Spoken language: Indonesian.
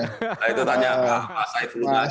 nah itu tanya pak saifuludha aja lah